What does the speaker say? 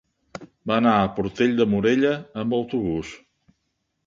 Va anar a Portell de Morella amb autobús.